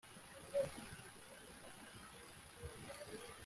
uyu munsi ntabwo ari ubuhehere kurusha uko byari bimeze ejo